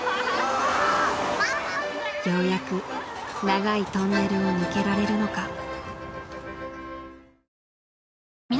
［ようやく長いトンネルを抜けられるのか］